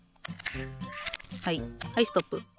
はいはいストップ。